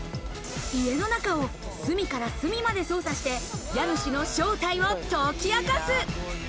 家の中を隅から隅まで捜査して家主の正体を解き明かす。